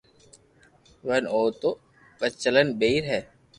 ون اُو تو بدچلن ٻئير ھي